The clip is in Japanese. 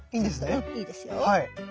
うんいいですよ。